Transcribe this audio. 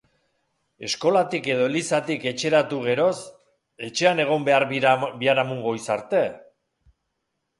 Eskolatik edo elizatik etxeratu geroz, etxean egon behar biharamun goiz arte!